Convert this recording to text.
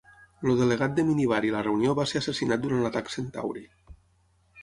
El delegat de Minibari a la reunió va ser assassinat durant l'atac Centauri.